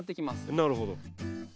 なるほど。